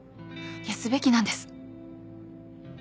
いやすべきなんです。